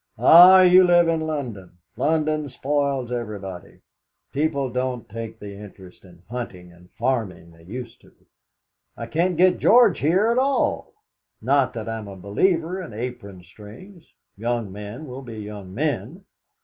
"Ah, you live in London. London spoils everybody. People don't take the interest in hunting and farming they used to. I can't get George here at all. Not that I'm a believer in apron strings. Young men will be young men!"